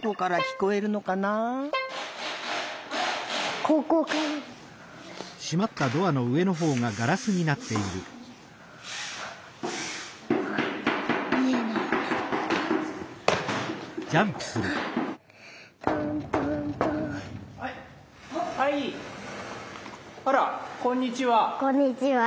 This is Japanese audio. こんにちは。